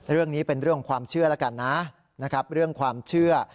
เรื่องนี้เป็นเรื่องของความเชื่อแล้วกันนะนะครับเรื่องความเชื่อ